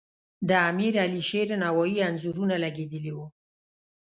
د امیر علیشیر نوایي انځورونه لګیدلي وو.